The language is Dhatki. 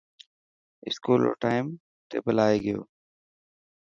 اسڪول رو ٽائم ٽيبل آي گيو.